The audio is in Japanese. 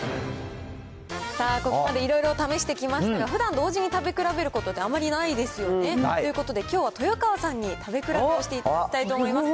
さあ、ここまでいろいろ試してきましたが、ふだん同時に食べ比べることってあまりないですよね。ということできょうは、豊川さんに食べ比べをしていただきたいと思います。